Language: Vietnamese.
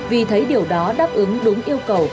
vì thấy điều đó đáp ứng đúng yêu cầu